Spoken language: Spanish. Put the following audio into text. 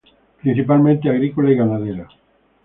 Principalmente agrícola y ganadera.